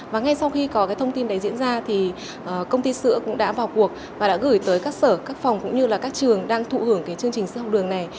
và ngay sau khi có cái thông tin đấy diễn ra thì công ty sữa cũng đã vào cuộc và đã gửi tới các sở các phòng cũng như là các trường đang thụ hưởng cái chương trình sữa học đường này